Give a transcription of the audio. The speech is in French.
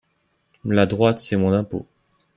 La droite, c’est moins d’impôts.